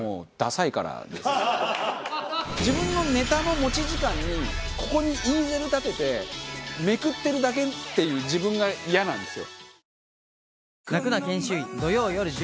自分のネタの持ち時間にここにイーゼル立ててめくってるだけっていう自分がイヤなんですよ。